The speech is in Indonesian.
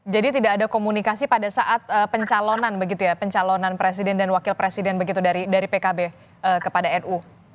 jadi tidak ada komunikasi pada saat pencalonan presiden dan wakil presiden begitu dari pkb kepada nu